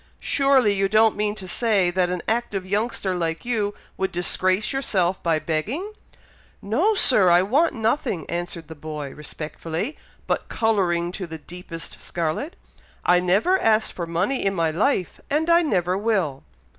Surely you don't mean to say that an active youngster like you would disgrace yourself by begging?" "No, Sir! I want nothing!" answered the boy respectfully, but colouring to the deepest scarlet. "I never asked for money in my life, and I never will."